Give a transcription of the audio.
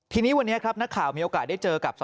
ทีนี้วันนี้ครับนักข่าวมีโอกาสได้เจอกับ